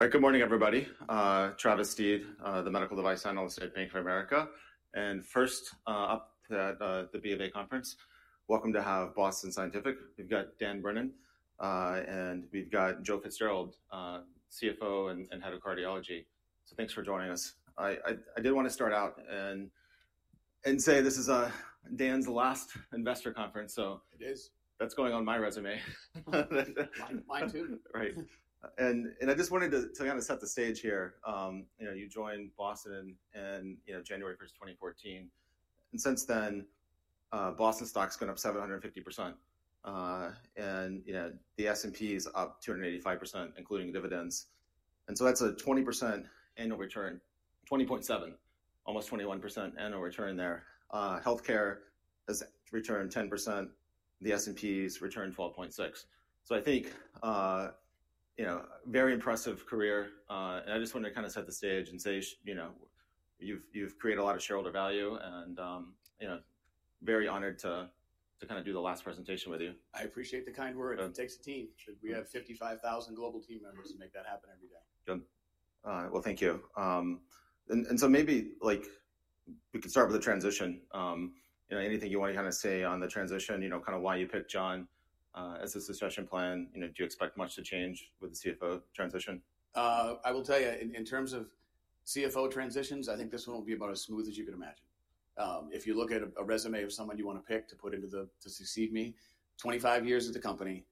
Good morning, everybody. Travis Steed, the Medical Device Analyst at Bank of America. First up at the B of A Conference, welcome to have Boston Scientific. We've got Dan Brennan, and we've got Joe Fitzgerald, CFO and Head of Cardiology. Thanks for joining us. I did want to start out and say this is Dan's last investor conference, so that's going on my resume. Mine too. Right. I just wanted to kind of set the stage here. You joined Boston Scientific on January 1st, 2014. Since then, Boston Scientific stock's gone up 750%. The S&P is up 285%, including dividends. That is a 20% annual return, 20.7%, almost 21% annual return there. Healthcare has returned 10%. The S&P has returned 12.6%. I think very impressive career. I just wanted to kind of set the stage and say you've created a lot of shareholder value. Very honored to kind of do the last presentation with you. I appreciate the kind word. It takes a team. We have 55,000 global team members to make that happen every day. Good. Thank you. Maybe we could start with the transition. Anything you want to kind of say on the transition, kind of why you picked Jon as a succession plan? Do you expect much to change with the CFO transition? I will tell you, in terms of CFO transitions, I think this one will be about as smooth as you can imagine. If you look at a resume of someone you want to pick to put into the to succeed me, 25 years at the company,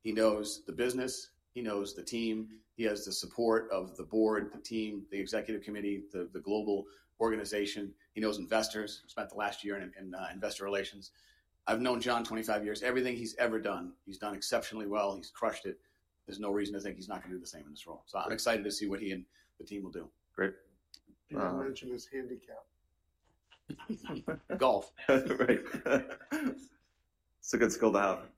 he knows the business, he knows the team, he has the support of the board, the team, the Executive Committee, the global organization. He knows investors, spent the last year in investor relations. I've known Jon 25 years. Everything he's ever done, he's done exceptionally well. He's crushed it. There's no reason to think he's not going to do the same in this role. I'm excited to see what he and the team will do. Great. I'll mention his handicap. Golf. Right. That's a good skill to have.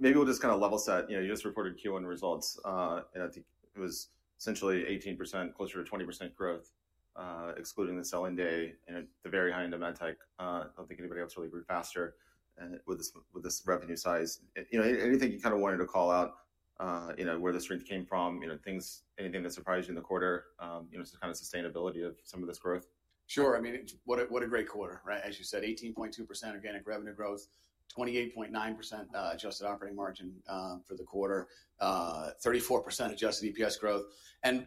Maybe we'll just kind of level set. You just reported Q1 results. And I think it was essentially 18%, closer to 20% growth, excluding the selling day and the very high end of MedTech. I don't think anybody else really grew faster with this revenue size. Anything you kind of wanted to call out, where the strength came from, anything that surprised you in the quarter, just kind of sustainability of some of this growth? Sure. I mean, what a great quarter, right? As you said, 18.2% organic revenue growth, 28.9% adjusted operating margin for the quarter, 34% adjusted EPS growth.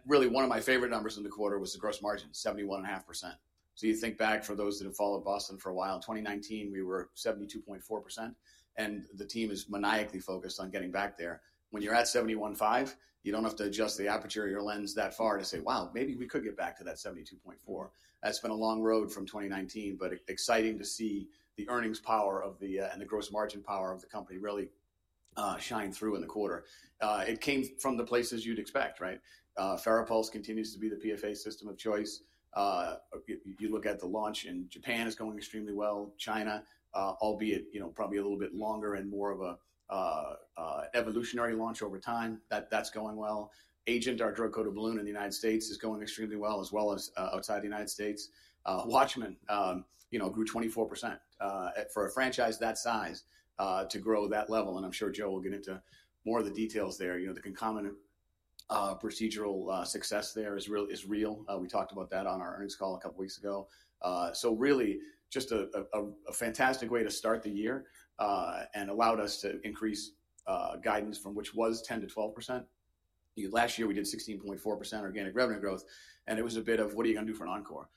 Really, one of my favorite numbers in the quarter was the gross margin, 71.5%. You think back for those that have followed Boston for a while. In 2019, we were 72.4%. The team is maniacally focused on getting back there. When you're at 71.5%, you do not have to adjust the aperture of your lens that far to say, wow, maybe we could get back to that 72.4%. That has been a long road from 2019, but exciting to see the earnings power and the gross margin power of the company really shine through in the quarter. It came from the places you would expect, right? FARAPULSE continues to be the PFA system of choice. You look at the launch in Japan is going extremely well. China, albeit probably a little bit longer and more of an evolutionary launch over time, that's going well. Agent or drug-coated balloon in the United States is going extremely well, as well as outside the United States. WATCHMAN grew 24% for a franchise that size to grow that level. I'm sure Joe will get into more of the details there. The concomitant procedural success there is real. We talked about that on our earnings call a couple of weeks ago. Really, just a fantastic way to start the year and allowed us to increase guidance from what was 10%-12%. Last year, we did 16.4% organic revenue growth. It was a bit of, what are you going to do for an encore?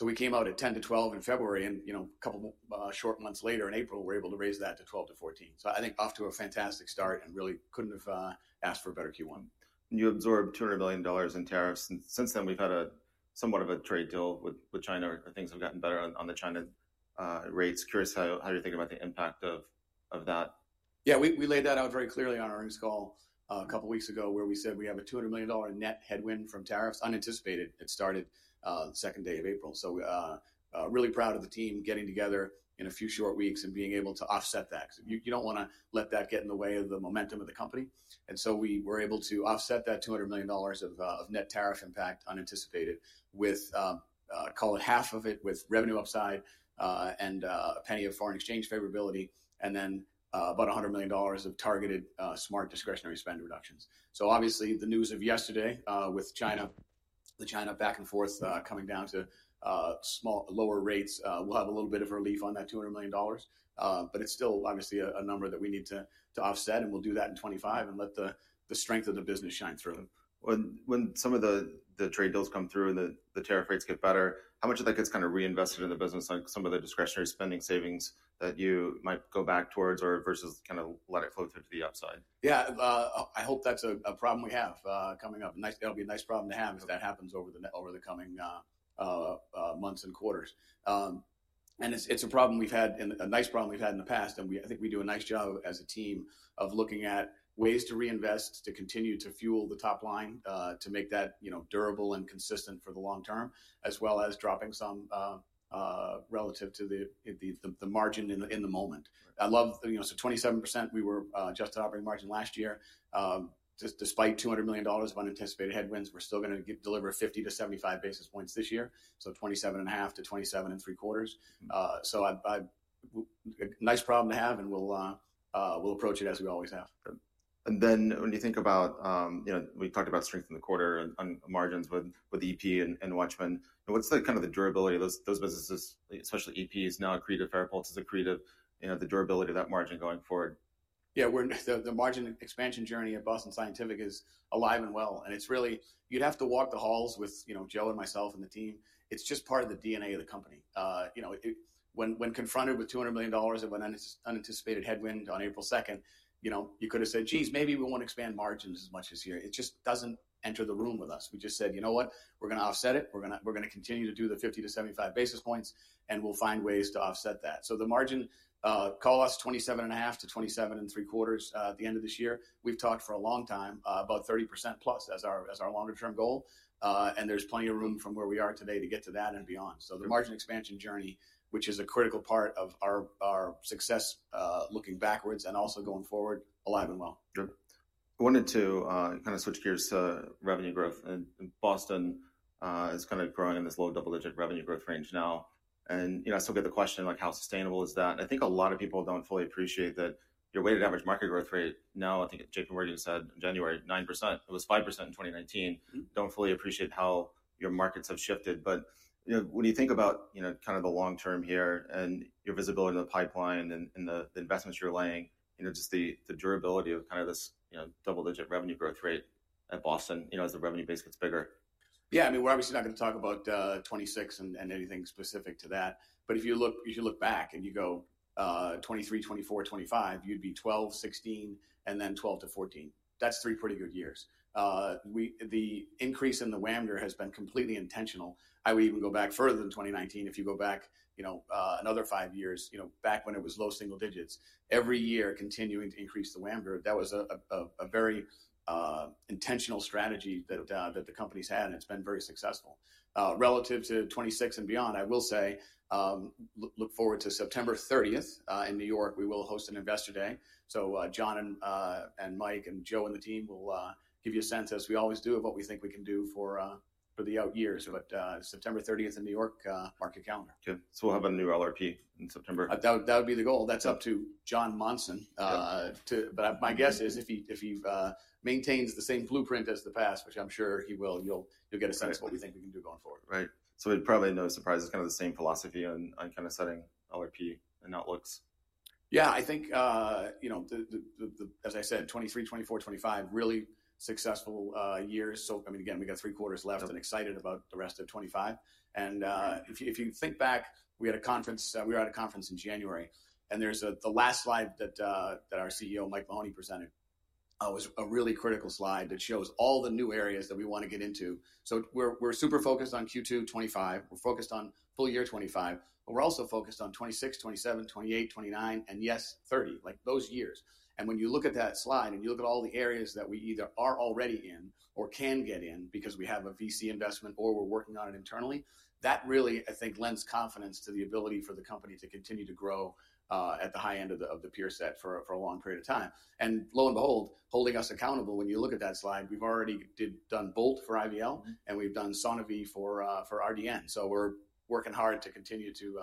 We came out at 10%-12% in February. A couple of short months later in April, we were able to raise that to 12%-14%. I think off to a fantastic start and really couldn't have asked for a better Q1. You absorbed $200 million in tariffs. Since then, we've had somewhat of a trade deal with China. Things have gotten better on the China rates. Curious how you're thinking about the impact of that. Yeah, we laid that out very clearly on our earnings call a couple of weeks ago where we said we have a $200 million net headwind from tariffs, unanticipated. It started the second day of April. Really proud of the team getting together in a few short weeks and being able to offset that. You do not want to let that get in the way of the momentum of the company. We were able to offset that $200 million of net tariff impact unanticipated with, call it half of it with revenue upside and a penny of foreign exchange favorability, and then about $100 million of targeted smart discretionary spend reductions. Obviously, the news of yesterday with China, the China back and forth coming down to lower rates, we will have a little bit of relief on that $200 million. It is still obviously a number that we need to offset. We will do that in 2025 and let the strength of the business shine through. When some of the trade deals come through and the tariff rates get better, how much of that gets kind of reinvested in the business, like some of the discretionary spending savings that you might go back towards or versus kind of let it flow through to the upside? Yeah, I hope that's a problem we have coming up. It'll be a nice problem to have if that happens over the coming months and quarters. It's a problem we've had, a nice problem we've had in the past. I think we do a nice job as a team of looking at ways to reinvest, to continue to fuel the top line, to make that durable and consistent for the long term, as well as dropping some relative to the margin in the moment. I love, so 27%, we were adjusted operating margin last year. Despite $200 million of unanticipated headwinds, we're still going to deliver 50-75 basis points this year. So 27.5-27.75%. A nice problem to have, and we'll approach it as we always have. When you think about we talked about strength in the quarter and margins with EP and WATCHMAN. What's kind of the durability of those businesses, especially EP's now accretive, FARAPULSE's accretive, the durability of that margin going forward? Yeah, the margin expansion journey at Boston Scientific is alive and well. And it's really, you'd have to walk the halls with Joe and myself and the team. It's just part of the DNA of the company. When confronted with $200 million of an unanticipated headwind on April 2nd, you could have said, geez, maybe we won't expand margins as much as here. It just doesn't enter the room with us. We just said, you know what, we're going to offset it. We're going to continue to do the 50-75 basis points, and we'll find ways to offset that. So the margin costs 27.5-27.75 at the end of this year. We've talked for a long time about 30% plus as our longer term goal. And there's plenty of room from where we are today to get to that and beyond. The margin expansion journey, which is a critical part of our success looking backwards and also going forward, alive and well. I wanted to kind of switch gears to revenue growth. Boston is kind of growing in this low double-digit revenue growth range now. I still get the question, like how sustainable is that? I think a lot of people do not fully appreciate that your weighted average market growth rate now, I think at JP Morgan said in January, 9%. It was 5% in 2019. Do not fully appreciate how your markets have shifted. When you think about kind of the long term here and your visibility in the pipeline and the investments you are laying, just the durability of kind of this double-digit revenue growth rate at Boston as the revenue base gets bigger. Yeah, I mean, we're obviously not going to talk about 2026 and anything specific to that. If you look back and you go 2023, 2024, 2025, you'd be 12, 16, and then 12 to 14. That's three pretty good years. The increase in the [WAMDR[ has been completely intentional. I would even go back further than 2019. If you go back another five years, back when it was low single digits, every year continuing to increase the [WAMDR], that was a very intentional strategy that the company's had. It's been very successful. Relative to 2026 and beyond, I will say, look forward to September 30th in New York. We will host an Investor Day. Jon and Mike and Joe and the team will give you a sense, as we always do, of what we think we can do for the out years. September 30th in New York. Mark your calendar. Yeah. So we'll have a new LRP in September. That would be the goal. That is up to Jon Monson. My guess is if he maintains the same blueprint as the past, which I am sure he will, you will get a sense of what we think we can do going forward. Right. It'd probably be no surprise. It's kind of the same philosophy on kind of setting LRP and outlooks. Yeah, I think, as I said, 2023, 2024, 2025, really successful years. I mean, again, we got three quarters left and excited about the rest of 2025. If you think back, we had a conference. We were at a conference in January. The last slide that our CEO, Mike Mahoney, presented was a really critical slide that shows all the new areas that we want to get into. We are super focused on Q2 2025. We are focused on full year 2025. We are also focused on 2026, 2027, 2028, 2029, and yes, 2030, like those years. When you look at that slide and you look at all the areas that we either are already in or can get in because we have a VC investment or we're working on it internally, that really, I think, lends confidence to the ability for the company to continue to grow at the high end of the peer set for a long period of time. Lo and behold, holding us accountable when you look at that slide, we've already done Bolt for IVL, and we've done SoniVie for RDN. We're working hard to continue to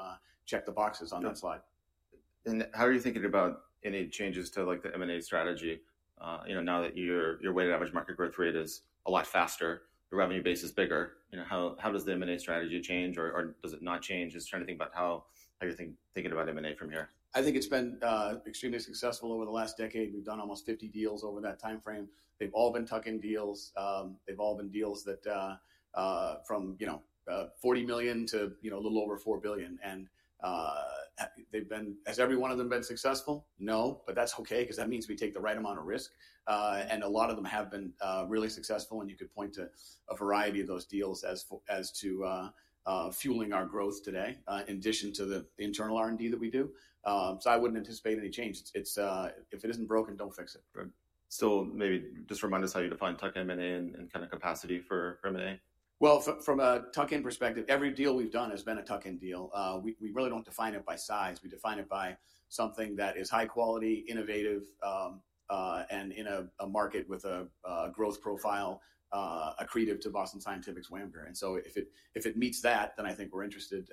check the boxes on that slide. How are you thinking about any changes to the M&A strategy now that your weighted average market growth rate is a lot faster, your revenue base is bigger? How does the M&A strategy change or does it not change? Just trying to think about how you're thinking about M&A from here. I think it's been extremely successful over the last decade. We've done almost 50 deals over that time frame. They've all been tucking deals. They've all been deals from $40 million to a little over $4 billion. Has every one of them been successful? No. That means we take the right amount of risk. A lot of them have been really successful. You could point to a variety of those deals as to fueling our growth today in addition to the internal R&D that we do. I wouldn't anticipate any change. If it isn't broken, don't fix it. Maybe just remind us how you define tuck M&A and kind of capacity for M&A. From a tuck-in perspective, every deal we've done has been a tuck-in deal. We really don't define it by size. We define it by something that is high quality, innovative, and in a market with a growth profile accretive to Boston Scientific's WAMDR. If it meets that, then I think we're interested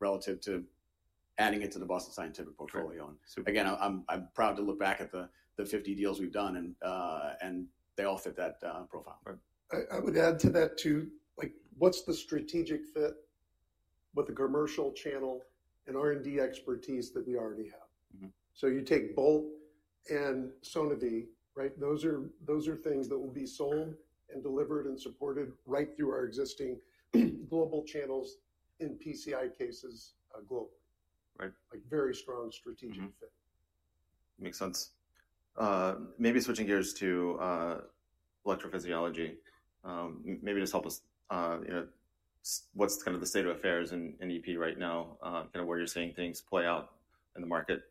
relative to adding it to the Boston Scientific portfolio. Again, I'm proud to look back at the 50 deals we've done, and they all fit that profile. I would add to that too, what's the strategic fit with the commercial channel and R&D expertise that we already have? You take Bolt and SoniVie, right? Those are things that will be sold and delivered and supported right through our existing global channels in PCI cases globally. Like very strong strategic fit. Makes sense. Maybe switching gears to electrophysiology. Maybe just help us, what's kind of the state of affairs in EP right now, kind of where you're seeing things play out in the market?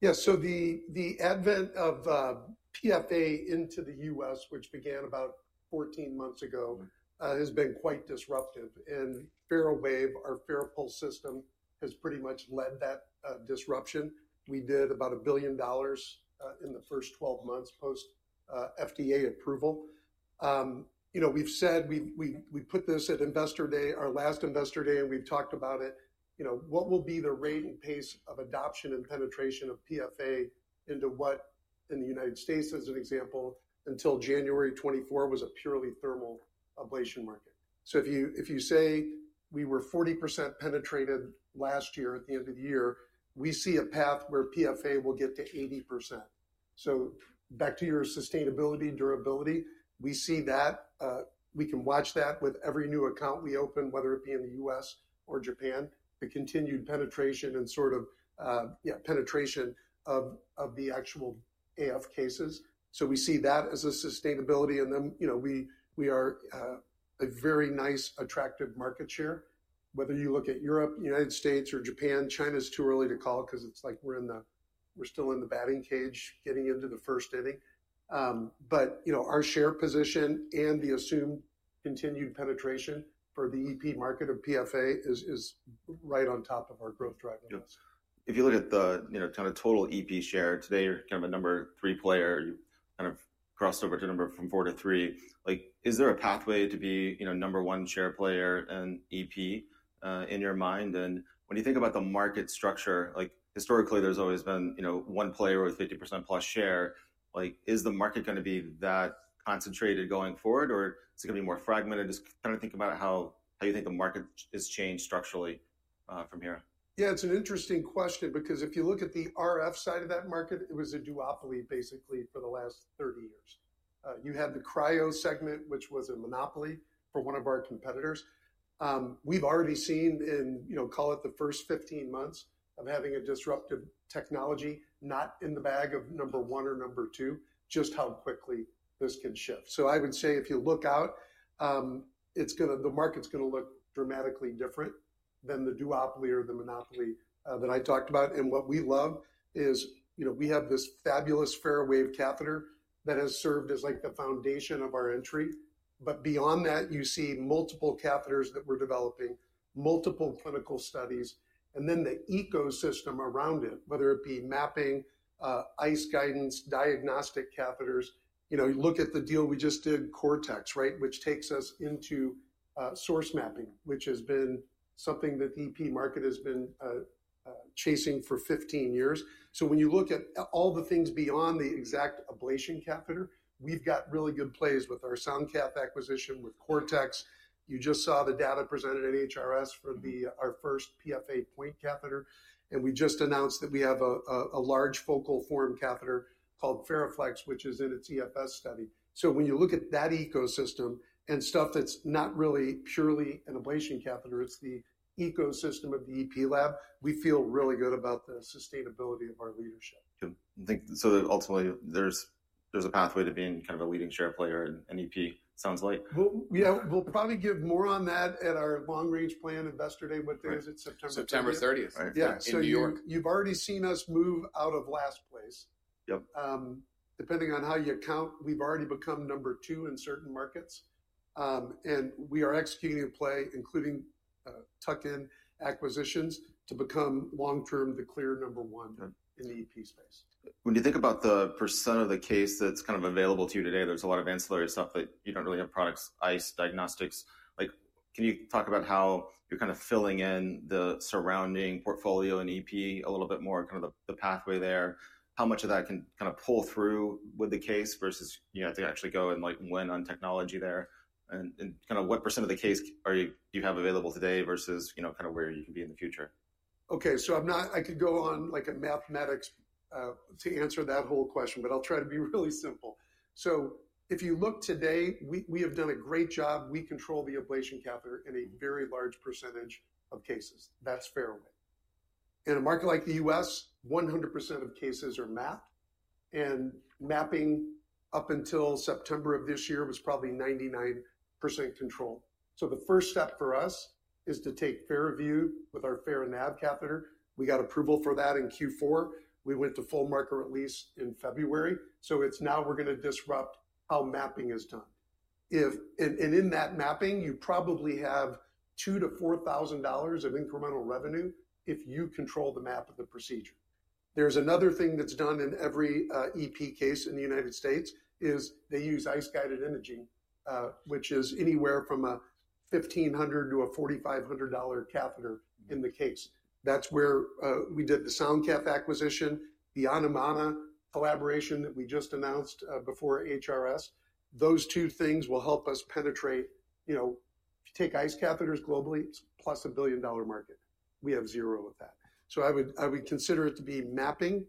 Yeah, so the advent of PFA into the U.S., which began about 14 months ago, has been quite disruptive. And FARAWAVE, our FARAPULSE system, has pretty much led that disruption. We did about $1 billion in the first 12 months post-FDA approval. We've said we put this at Investor Day, our last Investor Day, and we've talked about it. What will be the rate and pace of adoption and penetration of PFA into what in the United States, as an example, until January 2024 was a purely thermal ablation market? So if you say we were 40% penetrated last year at the end of the year, we see a path where PFA will get to 80%. So back to your sustainability, durability, we see that. We can watch that with every new account we open, whether it be in the U.S. or Japan, the continued penetration and sort of penetration of the actual AF cases. We see that as a sustainability. We are a very nice attractive market share. Whether you look at Europe, the United States, or Japan, China is too early to call because it is like we are still in the batting cage getting into the first inning. Our share position and the assumed continued penetration for the EP market of PFA is right on top of our growth drive. If you look at the kind of total EP share today, you're kind of a number three player. You kind of crossed over to number from four to three. Is there a pathway to be number one share player in EP in your mind? When you think about the market structure, historically, there's always been one player with 50% plus share. Is the market going to be that concentrated going forward, or is it going to be more fragmented? Just kind of think about how you think the market has changed structurally from here. Yeah, it's an interesting question because if you look at the RF side of that market, it was a duopoly, basically, for the last 30 years. You had the cryo segment, which was a monopoly for one of our competitors. We've already seen in, call it the first 15 months of having a disruptive technology, not in the bag of number one or number two, just how quickly this can shift. I would say if you look out, the market's going to look dramatically different than the duopoly or the monopoly that I talked about. What we love is we have this fabulous FARAWAVE catheter that has served as like the foundation of our entry. Beyond that, you see multiple catheters that we're developing, multiple clinical studies, and then the ecosystem around it, whether it be mapping, ICE guidance, diagnostic catheters. You look at the deal we just did, Cortex, which takes us into source mapping, which has been something that the EP market has been chasing for 15 years. When you look at all the things beyond the exact ablation catheter, we've got really good plays with our SoundCath acquisition, with Cortex. You just saw the data presented at HRS for our first PFA point catheter. We just announced that we have a large focal form catheter called FARAFLEX, which is in its EFS study. When you look at that ecosystem and stuff that's not really purely an ablation catheter, it's the ecosystem of the EP lab, we feel really good about the sustainability of our leadership. I think so ultimately there's a pathway to being kind of a leading share player in EP, sounds like. We'll probably give more on that at our long-range plan Investor Day. What day is it? September 30th. September 30th. Yeah. You've already seen us move out of last place. Depending on how you count, we've already become number two in certain markets. We are executing a play, including tuck-in acquisitions, to become long-term the clear number one in the EP space. When you think about the % of the case that's kind of available to you today, there's a lot of ancillary stuff that you don't really have products, ICE, diagnostics. Can you talk about how you're kind of filling in the surrounding portfolio in EP a little bit more, kind of the pathway there? How much of that can kind of pull through with the case versus to actually go and win on technology there? And kind of what % of the case do you have available today versus kind of where you can be in the future? Okay, so I could go on like a mathematics to answer that whole question, but I'll try to be really simple. If you look today, we have done a great job. We control the ablation catheter in a very large percentage of cases. That's FARAWAVE. In a market like the U.S., 100% of cases are mapped. And mapping up until September of this year was probably 99% control. The first step for us is to take FARAWAVE with our FERRONAV catheter. We got approval for that in Q4. We went to full marker release in February. It is now we're going to disrupt how mapping is done. In that mapping, you probably have $2,000-$4,000 of incremental revenue if you control the map of the procedure. There's another thing that's done in every EP case in the United States. is they use ICE-guided imaging, which is anywhere from a $1,500-$4,500 catheter in the case. That's where we did the SoundCath acquisition, the Anumana collaboration that we just announced before HRS. Those two things will help us penetrate. If you take ICE catheters globally, it's plus a billion dollar market. We have zero of that. I would consider it to be mapping,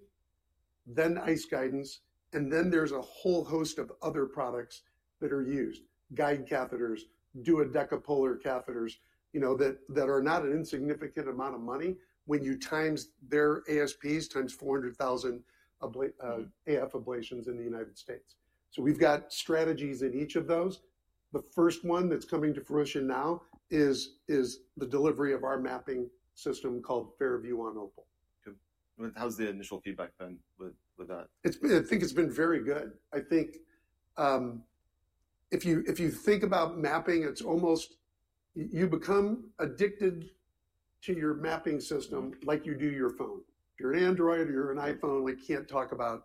then ICE guidance, and then there's a whole host of other products that are used. Guide catheters, duodecapolar catheters that are not an insignificant amount of money when you times their ASPs times 400,000 AF ablations in the United States. We've got strategies in each of those. The first one that's coming to fruition now is the delivery of our mapping system called FARAWAVE on OPAL. How's the initial feedback been with that? I think it's been very good. I think if you think about mapping, you become addicted to your mapping system like you do your phone. If you're an Android or you're an iPhone, we can't talk about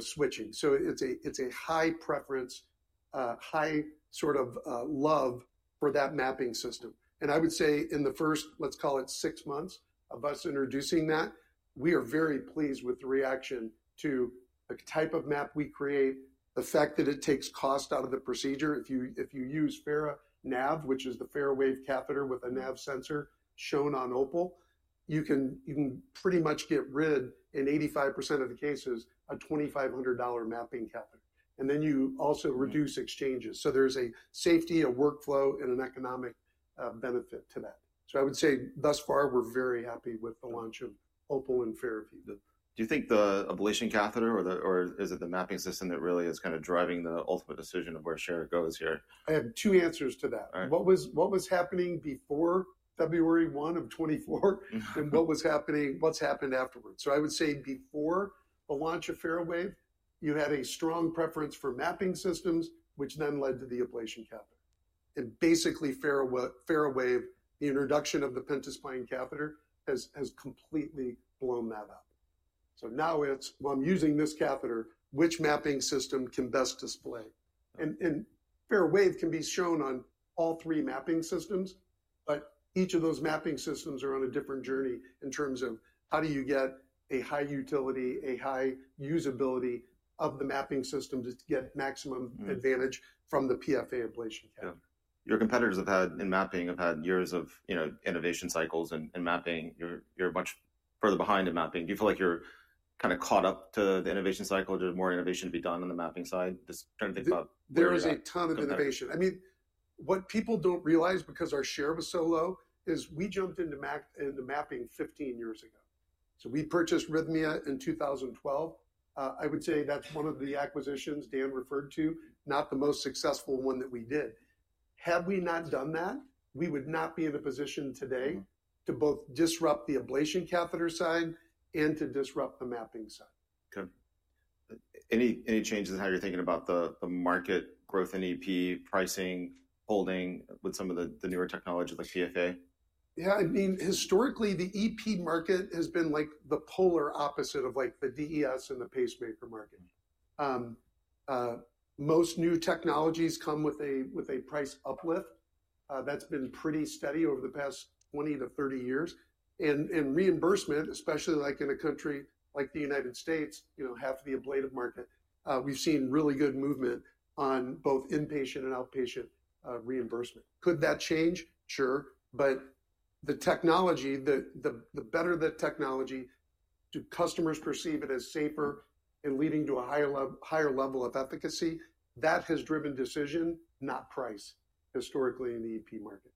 switching. It is a high preference, high sort of love for that mapping system. I would say in the first, let's call it six months of us introducing that, we are very pleased with the reaction to the type of map we create, the fact that it takes cost out of the procedure. If you use FARAWAVE, which is the FARAWAVE catheter with a NAV sensor shown on OPAL, you can pretty much get rid in 85% of the cases of a $2,500 mapping catheter. You also reduce exchanges. There is a safety, a workflow, and an economic benefit to that. I would say thus far, we're very happy with the launch of OPAL and FARAWAVE. Do you think the ablation catheter or is it the mapping system that really is kind of driving the ultimate decision of where share goes here? I have two answers to that. What was happening before February 1 of 2024 and what's happened afterwards? I would say before the launch of FARAWAVE, you had a strong preference for mapping systems, which then led to the ablation catheter. Basically, FARAWAVE, the introduction of the pentaspline catheter, has completely blown that up. Now, it's, well, I'm using this catheter, which mapping system can best display? FARAWAVE can be shown on all three mapping systems, but each of those mapping systems are on a different journey in terms of how do you get a high utility, a high usability of the mapping system to get maximum advantage from the PFA ablation catheter. Your competitors have had in mapping have had years of innovation cycles in mapping. You're much further behind in mapping. Do you feel like you're kind of caught up to the innovation cycle? Is there more innovation to be done on the mapping side? Just trying to think about. There is a ton of innovation. I mean, what people don't realize because our share was so low is we jumped into mapping 15 years ago. So we purchased RHYTHMIA in 2012. I would say that's one of the acquisitions Dan referred to, not the most successful one that we did. Had we not done that, we would not be in a position today to both disrupt the ablation catheter side and to disrupt the mapping side. Okay. Any changes in how you're thinking about the market growth in EP pricing, holding with some of the newer technology like PFA? Yeah, I mean, historically, the EP market has been like the polar opposite of like the DES and the pacemaker market. Most new technologies come with a price uplift. That's been pretty steady over the past 20 years-30 years. Reimbursement, especially like in a country like the United States, half of the ablative market, we've seen really good movement on both inpatient and outpatient reimbursement. Could that change? Sure. The technology, the better the technology, do customers perceive it as safer and leading to a higher level of efficacy? That has driven decision, not price, historically in the EP market.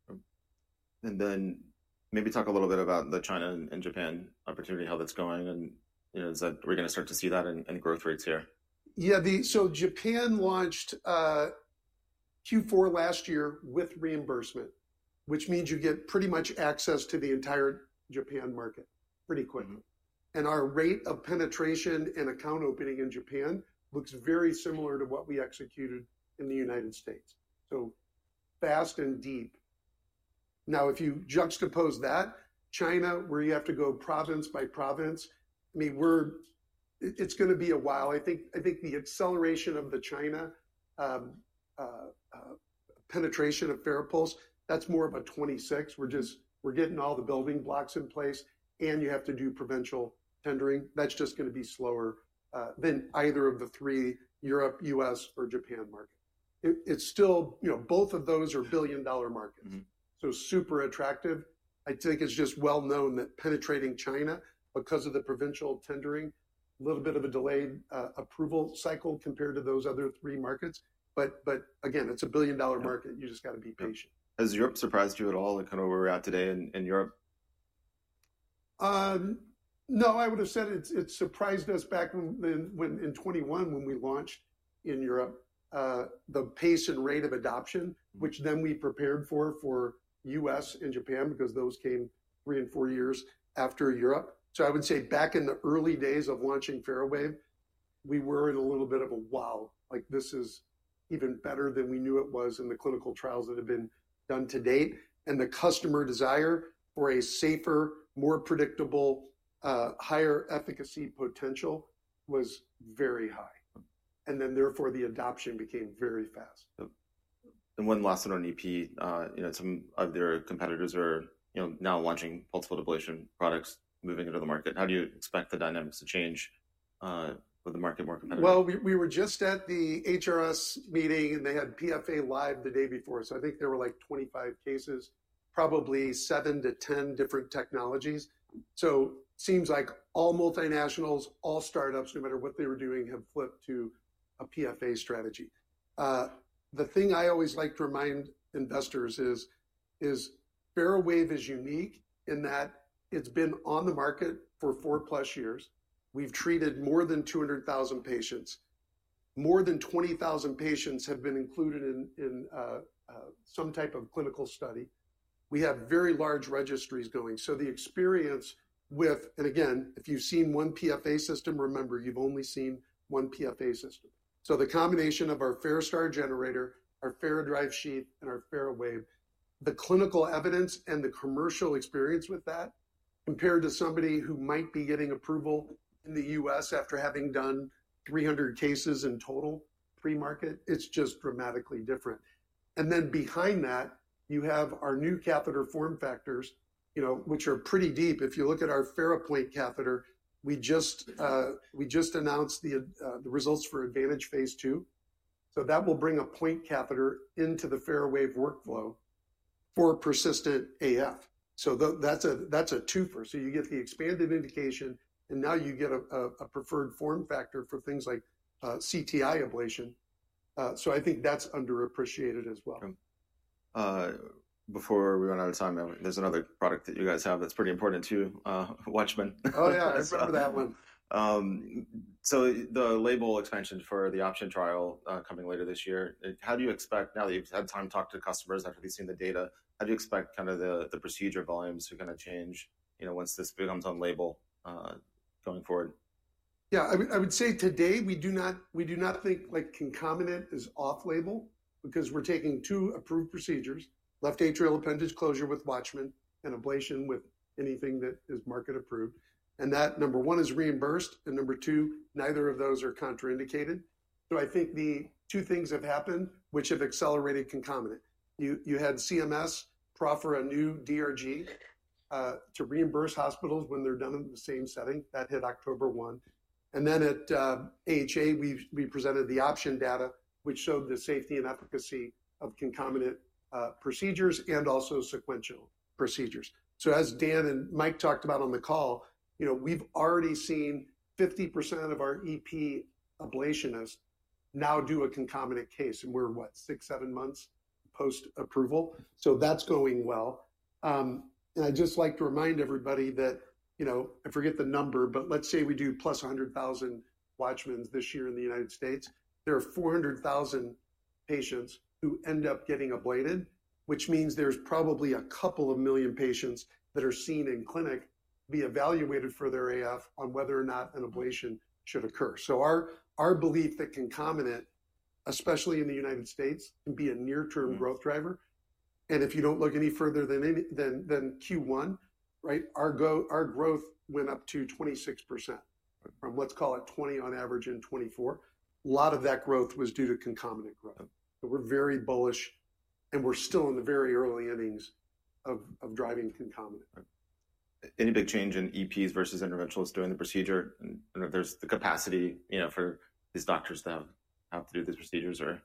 Maybe talk a little bit about the China and Japan opportunity, how that's going. Is that where we're going to start to see that in growth rates here? Yeah, so Japan launched Q4 last year with reimbursement, which means you get pretty much access to the entire Japan market pretty quickly. Our rate of penetration and account opening in Japan looks very similar to what we executed in the United States. Fast and deep. Now, if you juxtapose that, China, where you have to go province by province, I mean, it's going to be a while. I think the acceleration of the China penetration of FARAPULSE, that's more of a 2026. We're getting all the building blocks in place, and you have to do provincial tendering. That's just going to be slower than either of the three Europe, U.S., or Japan markets. Still, both of those are billion-dollar markets. Super attractive. I think it's just well known that penetrating China because of the provincial tendering, a little bit of a delayed approval cycle compared to those other three markets. Again, it's a billion-dollar market. You just got to be patient. Has Europe surprised you at all in kind of where we're at today in Europe? No, I would have said it surprised us back in 2021 when we launched in Europe, the pace and rate of adoption, which then we prepared for for U.S. and Japan because those came three and four years after Europe. I would say back in the early days of launching FARAWAVE, we were in a little bit of a wow. Like this is even better than we knew it was in the clinical trials that have been done to date. The customer desire for a safer, more predictable, higher efficacy potential was very high. Therefore, the adoption became very fast. One last one on EP, some of their competitors are now launching multiple ablation products moving into the market. How do you expect the dynamics to change with the market more competitive? We were just at the HRS meeting, and they had PFA live the day before. I think there were like 25 cases, probably 7-10 different technologies. It seems like all multinationals, all startups, no matter what they were doing, have flipped to a PFA strategy. The thing I always like to remind investors is FARAWAVE is unique in that it's been on the market for four plus years. We've treated more than 200,000 patients. More than 20,000 patients have been included in some type of clinical study. We have very large registries going. The experience with, and again, if you've seen one PFA system, remember, you've only seen one PFA system. The combination of our FARASTAR generator, our FARADRIVE sheath, and our FARAWAVE, the clinical evidence and the commercial experience with that, compared to somebody who might be getting approval in the U.S. after having done 300 cases in total pre-market, it's just dramatically different. Behind that, you have our new catheter form factors, which are pretty deep. If you look at our FARAPOINT catheter, we just announced the results for Advantage phase II. That will bring a point catheter into the FARAWAVE workflow for persistent AF. That's a twofer. You get the expanded indication, and now you get a preferred form factor for things like CTI ablation. I think that's underappreciated as well. Before we run out of time, there's another product that you guys have that's pretty important to WATCHMAN. Oh, yeah, I remember that one. The label expansion for the option trial coming later this year, how do you expect, now that you've had time to talk to customers after they've seen the data, how do you expect kind of the procedure volumes to kind of change once this becomes on label going forward? Yeah, I would say today we do not think concomitant is off-label because we're taking two approved procedures, left atrial appendage closure with WATCHMAN and ablation with anything that is market approved. That, number one, is reimbursed. Number two, neither of those are contraindicated. I think the two things have happened, which have accelerated concomitant. You had CMS proffer a new DRG to reimburse hospitals when they're done in the same setting. That hit October 1. At AHA, we presented the OPTION data, which showed the safety and efficacy of concomitant procedures and also sequential procedures. As Dan and Mike talked about on the call, we've already seen 50% of our EP ablationists now do a concomitant case. We're what, six, seven months post-approval? That's going well. I'd just like to remind everybody that I forget the number, but let's say we do plus 100,000 WATCHMAN this year in the United States. There are 400,000 patients who end up getting ablated, which means there's probably a couple of million patients that are seen in clinic to be evaluated for their AF on whether or not an ablation should occur. Our belief that concomitant, especially in the United States, can be a near-term growth driver. If you don't look any further than Q1, our growth went up to 26% from, let's call it 20% on average in 2024. A lot of that growth was due to concomitant growth. We're very bullish, and we're still in the very early innings of driving concomitant. Any big change in EPs versus interventionals doing the procedure? If there's the capacity for these doctors to have to do these procedures, or?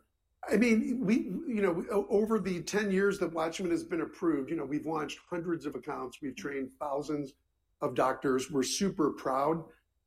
I mean, over the 10 years that WATCHMAN has been approved, we've launched hundreds of accounts. We've trained thousands of doctors. We're super proud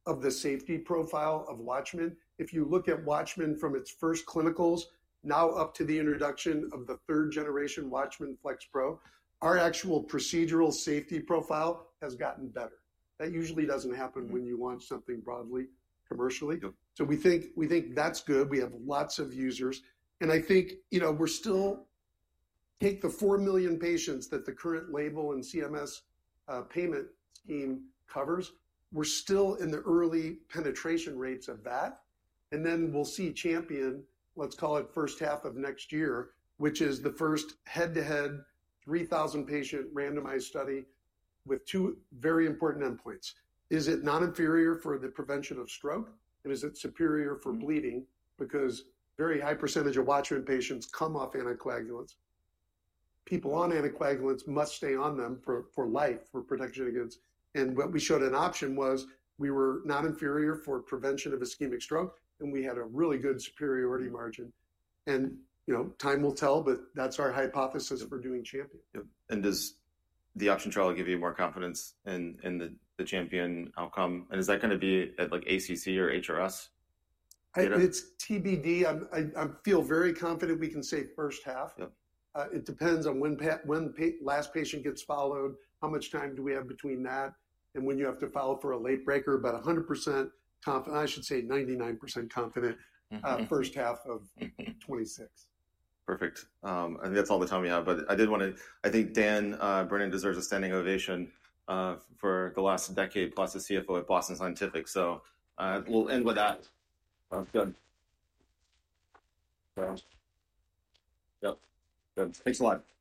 of the safety profile of WATCHMAN. If you look at WATCHMAN from its first clinicals, now up to the introduction of the 3rd generation WATCHMAN FLX Pro, our actual procedural safety profile has gotten better. That usually doesn't happen when you launch something broadly commercially. We think that's good. We have lots of users. I think we're still taking the 4 million patients that the current label and CMS payment scheme covers. We're still in the early penetration rates of that. We will see CHAMPION, let's call it first half of next year, which is the first head-to-head 3,000-patient randomized study with two very important endpoints. Is it non-inferior for the prevention of stroke? Is it superior for bleeding? Because a very high percentage of WATCHMAN patients come off anticoagulants. People on anticoagulants must stay on them for life, for protection against. What we showed in OPTION was we were not inferior for prevention of ischemic stroke, and we had a really good superiority margin. Time will tell, but that's our hypothesis for doing CHAMPION. Does the OPTION trial give you more confidence in the CHAMPION outcome? Is that going to be at ACC or HRS? It's TBD. I feel very confident we can say first half. It depends on when the last patient gets followed, how much time do we have between that, and when you have to follow for a late breaker, but 100% confident, I should say 99% confident first half of 2026. Perfect. I think that's all the time we have. I did want to, I think Dan Brennan deserves a standing ovation for the last decade, plus the CFO at Boston Scientific. We'll end with that. Sounds good. Yep. Thanks a lot.